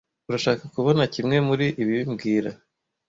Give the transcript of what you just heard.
Urashaka kubona kimwe muri ibi mbwira